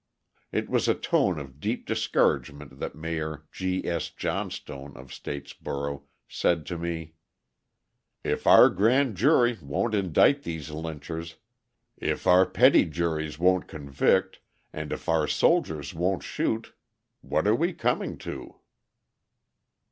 It was in a tone of deep discouragement that Mayor G. S. Johnstone, of Statesboro, said to me: "If our grand jury won't indict these lynchers, if our petit juries won't convict, and if our soldiers won't shoot, what are we coming to?"